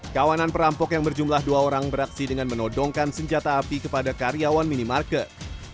kawanan perampok yang berjumlah dua orang beraksi dengan menodongkan senjata api kepada karyawan minimarket